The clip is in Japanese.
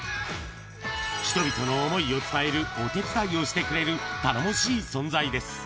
人々の想いを伝えるお手伝いをしてくれる、頼もしい存在です。